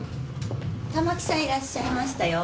たまきさんいらっしゃいましたよ。